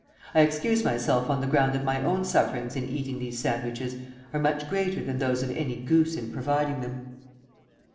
I excuse myself on the ground that my own sufferings in eating these sandwiches are much greater than those of any goose in providing them.